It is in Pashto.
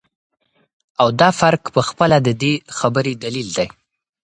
او دافرق په خپله ددي خبري دليل دى